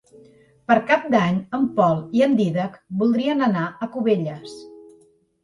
Per Cap d'Any en Pol i en Dídac voldrien anar a Cubelles.